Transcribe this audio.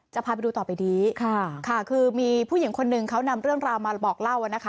พาไปดูต่อไปนี้ค่ะค่ะคือมีผู้หญิงคนหนึ่งเขานำเรื่องราวมาบอกเล่านะคะ